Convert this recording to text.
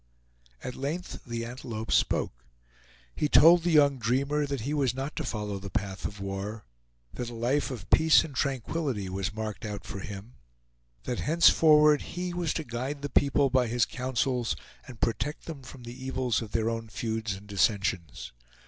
At length the antelope spoke. He told the young dreamer that he was not to follow the path of war; that a life of peace and tranquillity was marked out for him; that henceforward he was to guide the people by his counsels and protect them from the evils of their own feuds and dissensions.